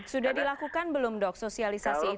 sudah dilakukan belum dok sosialisasi itu